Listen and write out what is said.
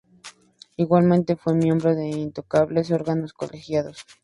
Igualmente fue miembro de incontables órganos colegiados.